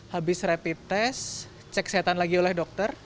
habis rapid test cek kesehatan lagi oleh dokter